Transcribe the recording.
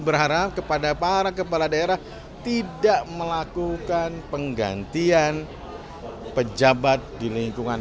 berharap kepada para kepala daerah tidak melakukan penggantian pejabat di lingkungan